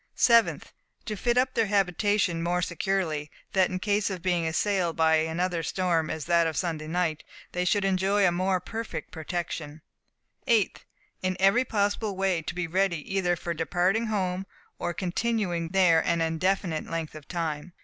7th. To fit up their habitation more securely, that in case of being assailed by such another storm as that of Sunday night, they should enjoy a more perfect protection. 8th. In every possible way to be ready either for departing home, or continuing there an indefinite length of time.